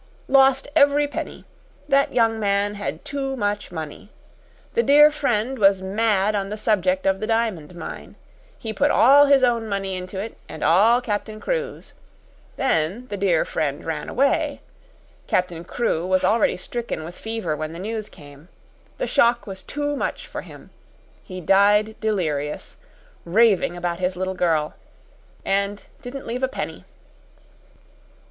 "Lost every penny. That young man had too much money. The dear friend was mad on the subject of the diamond mine. He put all his own money into it, and all Captain Crewe's. Then the dear friend ran away Captain Crewe was already stricken with fever when the news came. The shock was too much for him. He died delirious, raving about his little girl and didn't leave a penny."